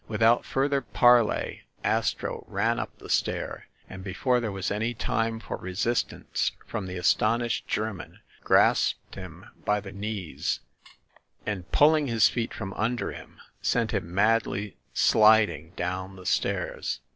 Without further parley Astro ran up the stair, and, before there was any time for resistance from the as tonished German, grasped him by the knees, and pull THE ASSASSINS' CLUB 263 ing his feet from under him, sent him madly sliding down the stairs.